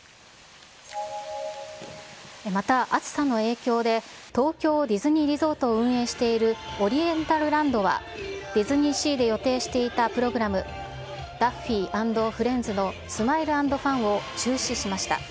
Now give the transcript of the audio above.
また、暑さの影響で、東京ディズニーリゾートを運営しているオリエンタルランドは、ディズニーシーで予定していたプログラム、ダッフィー＆フレンズのスマイルアンドファンを中止しました。